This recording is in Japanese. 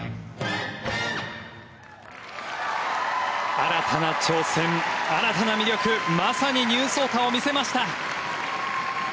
新たな挑戦、新たな魅力まさにニュー草太を見せました。